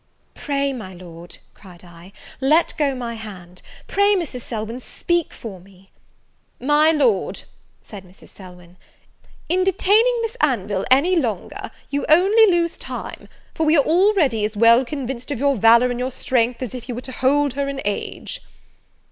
"Pray, my Lord," cried I, "let go my hand! Pray, Mrs. Selwyn, speak for me." "My Lord," said Mrs. Selwyn, "in detaining Miss Anville any longer you only lose time; for we are already as well convinced of your valour and your strength, as if you were to hold her an age."